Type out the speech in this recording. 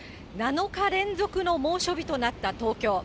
７日連続の猛暑日となった東京。